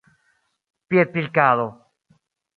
piedpilkado